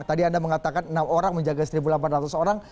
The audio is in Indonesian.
tadi anda mengatakan enam orang menjaga satu delapan ratus orang